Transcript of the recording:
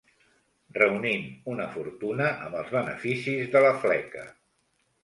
Reunint una fortuna amb els beneficis de la fleca.